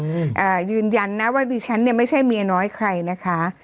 อืมอ่ายืนยันนะว่าดิฉันเนี้ยไม่ใช่เมียน้อยใครนะคะ